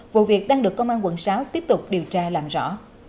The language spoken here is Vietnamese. vụ việc đang được công an quận sáu tiếp tục điều tra làm rõ